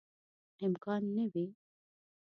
امکان نه وي.